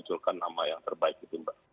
munculkan nama yang terbaik gitu mbak